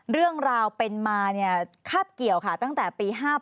เรื่องราวเป็นมาคาบเกี่ยวค่ะตั้งแต่ปี๕๘